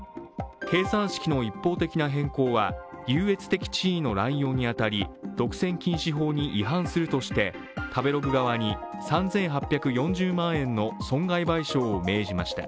計算式の一方的な変更は優越的地位の濫用に当たり、独占禁止法に違反するとして食べログ側に３８４０万円の損害賠償を命じました。